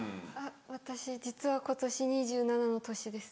私実は今年２７歳の年です。